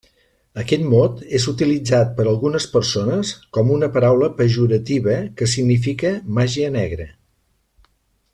Aquest mot és utilitzat per algunes persones com una paraula pejorativa que significa màgia negra.